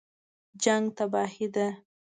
جنګ تباهي ده